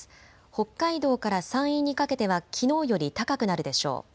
北海道から山陰にかけてはきのうより高くなるでしょう。